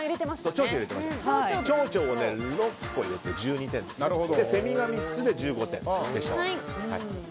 チョウチョを６個入れて１２点ですからセミが３つで１５点でした。